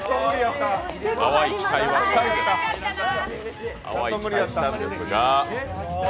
淡い期待したんですが。